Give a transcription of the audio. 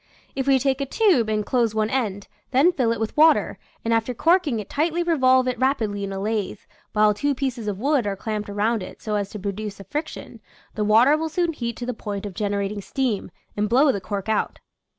If we take a tube and close one end, then fill it with water, and after corking it tightly revolve it rapidly in a lathe, while two pieces of wood are clamped around it so as to produce a fric tion, the water will soon heat to the point of generating steam, and blow the cork out.